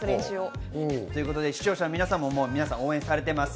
視聴者の皆さんも応援されています。